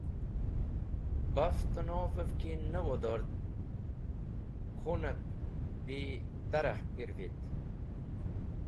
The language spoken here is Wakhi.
Baf tẽnovẽv ki ne wodord khunẽb bi tara pirvit.